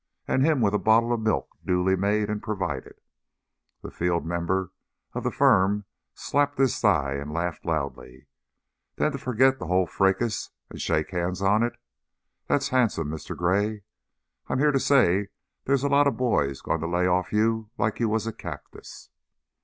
And him with a bottle of milk duly made and provided!" The field member of the firm slapped his thigh and laughed loudly. "Then to forget the whole fracas and shake hands on it! That's handsome! Mr. Gray, I'm here to say there's a lot of boys going to lay off you like you was a cactus."